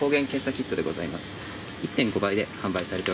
キットでございます。